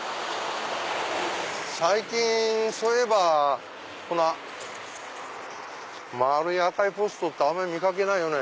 最近そういえばこの丸い赤いポストってあんまり見掛けないよね。